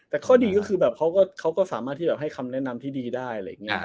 แต่ข้อดีก็คือเขาก็สามารถให้คำแนะนำที่ดีได้